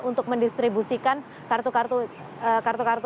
untuk mendistribusikan kartu kartu